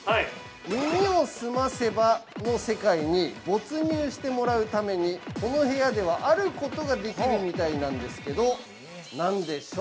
「耳をすませば」の世界に没入してもらうためにこの部屋では、あることができるみたいなんですけど何でしょう？